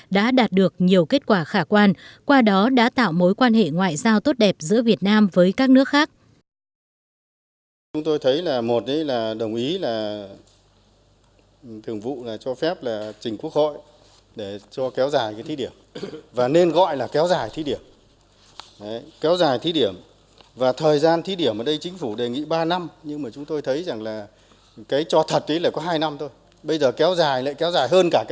đã đạt được nhiều kết quả khả quan qua đó đã tạo mối quan hệ ngoại giao tốt đẹp giữa việt nam với các nước khác